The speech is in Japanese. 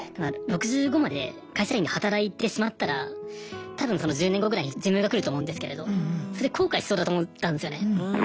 ６５まで会社員で働いてしまったら多分その１０年後ぐらいに寿命が来ると思うんですけれどそれで後悔しそうだと思ったんですよね。